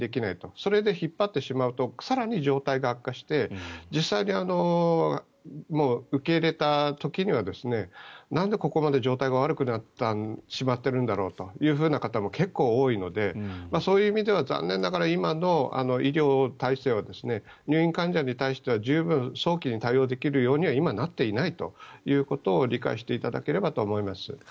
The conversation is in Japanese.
それで引っ張ってしまうと更に状態が悪化して実際に受け入れた時にはなんでここまで状態が悪くなってしまっているんだろうという方も結構多いので、そういう意味では残念ながら今の医療体制は入院患者に対しては十分、早期に対応できる状況には今、なっていないということを理解していただければと思います。